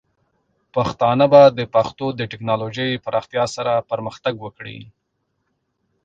پښتانه به د پښتو د ټیکنالوجۍ پراختیا سره پرمختګ وکړي.